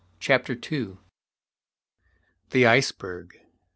CHAPTER II. THE ICEBERG.